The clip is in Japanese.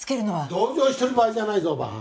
同情してる場合じゃないぞおばはん。